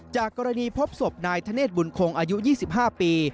จากกรณีพบศพนายธเนธบุญคงอายุ๒๕ปี